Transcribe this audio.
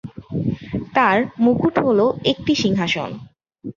তার মুকুট হল একটি সিংহাসন।